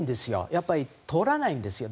やっぱり通らないですよ。